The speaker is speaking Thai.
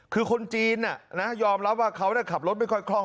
คือคนจีนยอมรับว่าเขาขับรถไม่ค่อยคล่อง